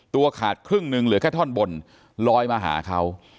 ตัวขาดครึ่งหนึ่งเหลือแค่ท่อนบนลอยมาหาเขา